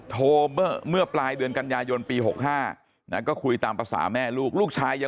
โทรเมื่อปลายเดือนกันยายนปี๖๕ก็คุยตามภาษาแม่ลูก